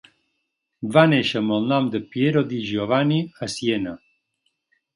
Va néixer amb el nom de Piero di Giovanni a Siena.